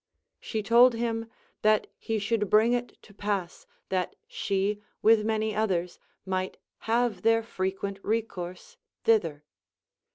She told him, that he should bring it to pass that she with many otliers might have their frequent recourse thither.